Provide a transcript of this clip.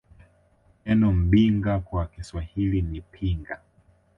Neno Mbinga kwa Kiswahili ni Pinga